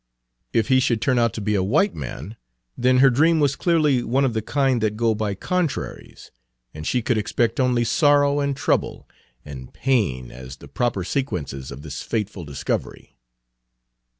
If he should turn out to be a white man, then her dream was clearly one of the kind that go by contraries, and she could expect only sorrow and trouble and pain as the proper sequences of this fateful discovery.